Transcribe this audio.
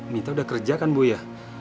minta udah kerja kan buya